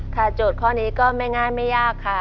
โจทย์ข้อนี้ก็ไม่ง่ายไม่ยากค่ะ